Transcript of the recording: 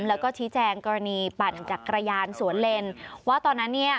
แล้วก็ชี้แจงกรณีปั่นจักรยานสวนเลนว่าตอนนั้นเนี่ย